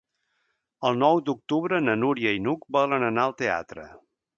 El nou d'octubre na Núria i n'Hug volen anar al teatre.